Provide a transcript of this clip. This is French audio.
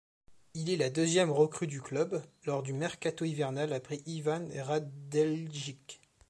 Il est la deuxième recrue du club, lors du mercato hivernal, après Ivan Radeljić.